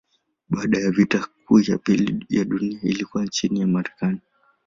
Baada ya vita kuu ya pili ya dunia vilikuwa chini ya Marekani.